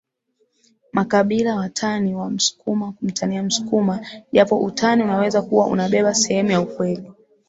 makabila watani wa msukuma kumtania msukuma japo utani unaweza kuwa unabeba sehemu ya ukweli